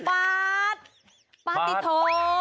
ป๊าดป๊าดติโท